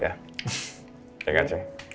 iya gak sih